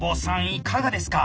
いかがですか？